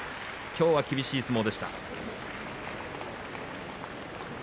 きょうは厳しい相撲でした。